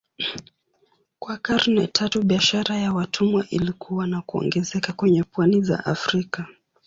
Kwa karne tatu biashara ya watumwa ilikua na kuongezeka kwenye pwani za Afrika.